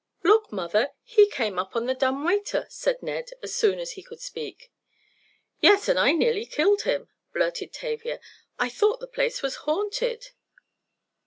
"Look, mother! He came up on the dumb waiter!" said Ned, as soon as he could speak. "Yes, and I nearly killed him," blurted Tavia. "I thought the place was haunted!"